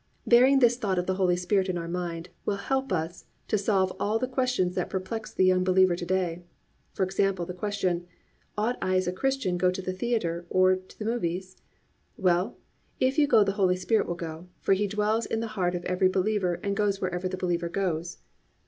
Bearing this thought of the Holy Spirit in our mind will help us to solve all the questions that perplex the young believer to day. For example, the question, "Ought I as a Christian go to the theatre or the movies?" Well, if you go the Holy Spirit will go; for He dwells in the heart of every believer and goes wherever the believer goes.